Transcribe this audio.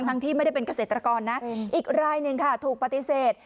ที่ไม่ได้เป็นเกษตรกรนะอีกรายหนึ่งค่ะถูกปฏิเสธ